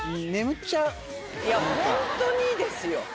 いやホントにいいですよ。